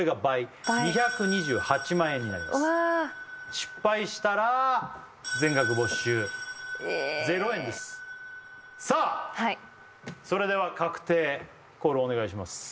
失敗したら全額没収ええ０円ですさあそれでは確定コールはいお願いします